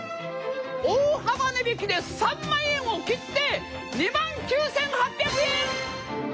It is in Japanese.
大幅値引きで３万円を切って２万９，８００円！